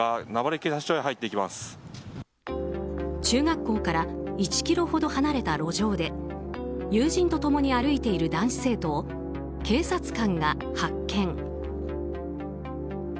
中学校から１ｋｍほど離れた路上で友人と共に歩いている男子生徒を警察官が発見。